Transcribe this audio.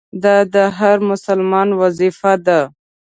دا د هر مسلمان وظیفه ده.